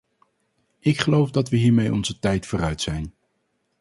Ik geloof dat we hiermee onze tijd vooruit zijn.